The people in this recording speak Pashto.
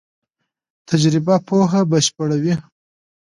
تجربه پوهه بشپړوي.